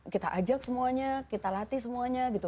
kita ajak semuanya kita latih semuanya gitu